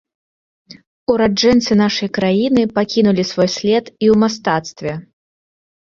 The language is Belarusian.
Ураджэнцы нашай краіны пакінулі свой след і ў мастацтве.